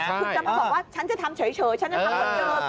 คุณจะมาบอกว่าฉันจะทำเฉยฉันจะทำเหมือนเดิม